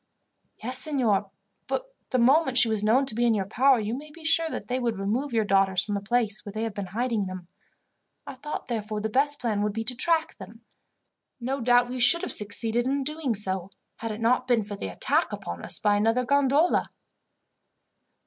"Yes, signor; but the moment she was known to be in your power, you may be sure that they would remove your daughters from the place where they have been hiding them. I thought, therefore, the best plan would be to track them. No doubt we should have succeeded in doing so, had it not been for the attack upon us by another gondola."